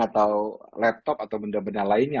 atau laptop atau benda benda lainnya